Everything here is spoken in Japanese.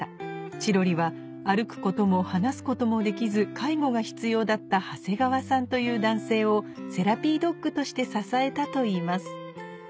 チロリは歩くことも話すこともできず介護が必要だった長谷川さんという男性をセラピードッグとして支えたといいます